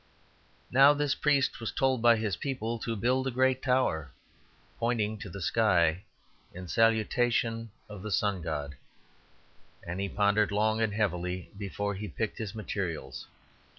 Now this priest was told by his people to build a great tower, pointing to the sky in salutation of the Sun god; and he pondered long and heavily before he picked his materials.